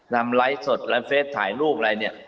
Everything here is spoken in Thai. ทำไลต์สดไลต์เฟสถ่ายลูกอะไรเนี่ย